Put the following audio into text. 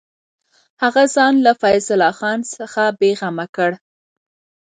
هغه ځان له فیض الله خان څخه بېغمه کړ.